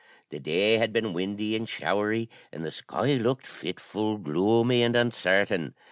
The day had been windy and showery, and the sky looked fitful, gloomy, and uncertain.